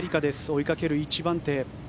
追いかける１番手。